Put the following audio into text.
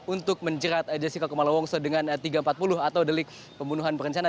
untuk menjerat jessica kumala wongso dengan tiga ratus empat puluh atau delik pembunuhan berencana